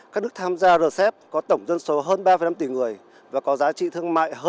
các nước tham gia rcep có tổng dân số hơn ba năm tỷ người và có giá trị thương mại hơn